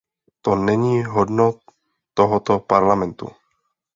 To není hodno tohoto Parlamentu.